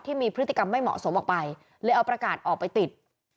ที่มีพฤติกรรมไม่เหมาะสมออกไปเลยเอาประกาศออกไปติด